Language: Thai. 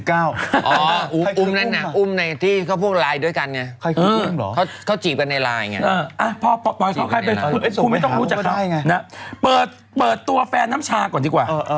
คุณไม่ต้องรู้จักครับเปิดตัวแฟนน้ำชาก่อนดีกว่า